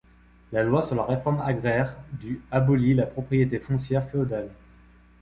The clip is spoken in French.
La loi sur la réforme agraire du abolit la propriété foncière féodale.